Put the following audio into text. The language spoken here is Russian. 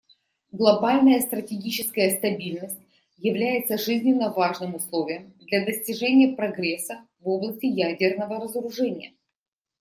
Глобальная стратегическая стабильность является жизненно важным условием для достижения прогресса в области ядерного разоружения.